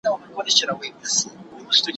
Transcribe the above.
بخت دي تور عقل کوټه دی خدای لیدلی